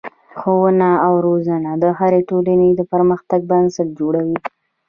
ښوونه او روزنه د هرې ټولنې د پرمختګ بنسټ جوړوي.